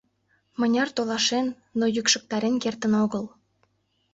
Мыняр толашен, но йӱкшыктарен кертын огыл.